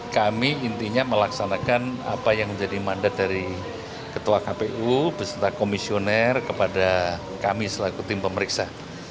kami intinya melaksanakan apa yang menjadi mandat dari ketua kpu beserta komisioner kepada kami selaku tim pemeriksa